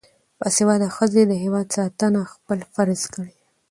باسواده ښځې د هیواد ساتنه خپل فرض ګڼي.